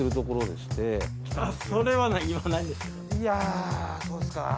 いやそうすか。